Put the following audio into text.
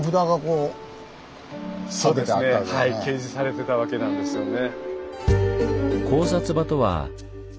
はい掲示されてたわけなんですよね。